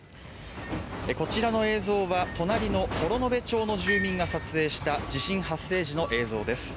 こちらの映像は隣の幌延町の住民が撮影した地震発生時の映像です。